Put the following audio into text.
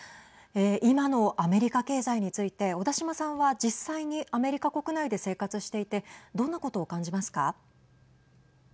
今のアメリカ経済について小田島さんは実際にアメリカ国内で生活していてどんなことを感じますか。